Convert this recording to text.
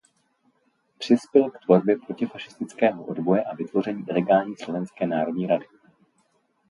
Přispěl k tvorbě protifašistického odboje a vytvoření ilegální Slovenské národní rady.